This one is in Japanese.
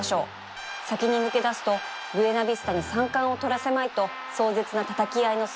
先に抜け出すとブエナビスタに３冠を取らせまいと壮絶なたたき合いの末勝利